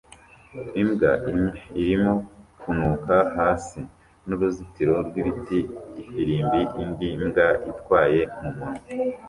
Imbwa imwe irimo kunuka hasi nuruzitiro rwibiti ifirimbi indi mbwa itwaye mumunwa